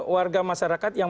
warga masyarakat yang